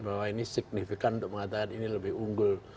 bahwa ini signifikan untuk mengatakan ini lebih unggul